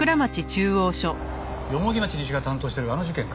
蓬町西が担当してるあの事件か。